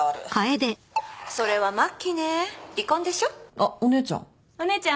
あっお姉ちゃん。